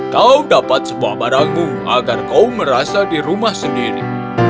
kau dapat sebuah barangmu agar kau merasa di rumah sendiri